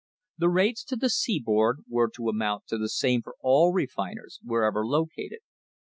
The rates to the seaboard were to amount to the same for all refiners wherever located.